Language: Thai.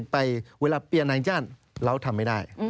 เปลี่ยนนายจ้างเราทำไม่ได้